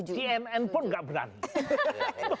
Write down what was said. cnn pun gak berani